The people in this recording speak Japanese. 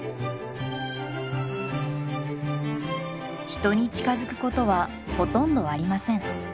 人に近づくことはほとんどありません。